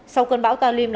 sau cơn bão talim